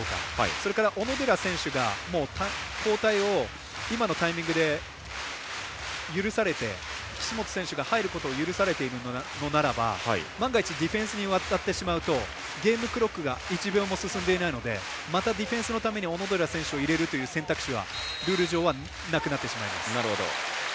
それから小野寺選手が交代を今のタイミングで許されて岸本選手が入ることを許されているのならば万が一ディフェンスになってしまうとゲームクロックが１秒も進んでいないのでまたディフェンスのために小野寺選手を入れるという選択肢はルール上はなくなってしまいます。